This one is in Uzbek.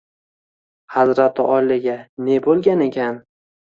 Hazrati oliyga ne bo’lgan ekan?